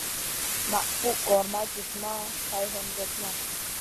Naʼ pug gor ma jufma hay hendjena.